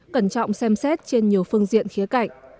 cẩn trọng xem xét trên nhiều phương diện khía cạnh